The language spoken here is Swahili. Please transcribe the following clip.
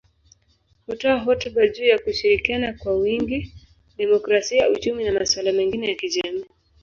Hutoa hotuba juu ya kushirikiana kwa wingi, demokrasia, uchumi na masuala mengine ya kijamii.